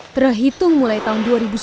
terhitung mulai tahun dua ribu sebelas